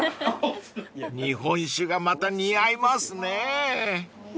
［日本酒がまた似合いますね］